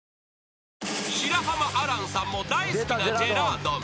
［白濱亜嵐さんも大好きなジェラードン］